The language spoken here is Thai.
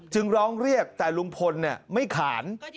จึงร้องเรียกแต่ลุงพลไม่ขาน